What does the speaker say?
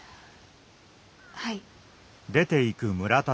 はい。